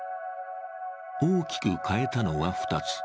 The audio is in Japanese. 大きく変えたのは２つ。